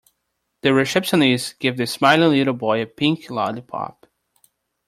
The receptionist gave the smiling little boy a pink lollipop.